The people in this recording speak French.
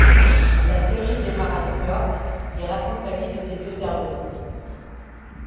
La série démarre à New York et raconte la vie de ces deux serveuses.